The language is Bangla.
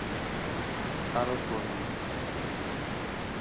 আরও পড়ুন